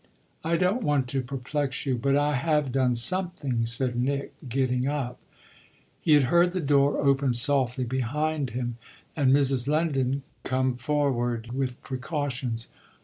"I don't want to perplex you, but I have done something," said Nick, getting up. He had heard the door open softly behind him and Mrs. Lendon come forward with precautions.